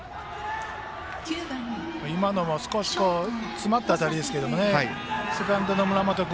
今のも少し詰まった当たりですがセカンドの村本君